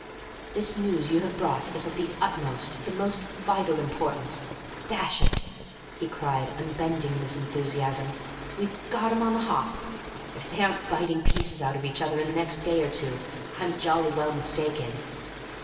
This news you have brought is of the utmost the most vital importance. Dash it!" he cried, unbending in his enthusiasm, "we've got 'em on the hop. If they aren't biting pieces out of each other in the next day or two, I'm jolly well mistaken."